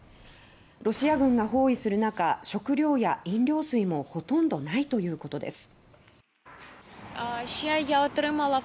ロシア軍が包囲する中食料や飲料水もほとんどないということです。